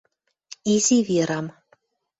Изи Верам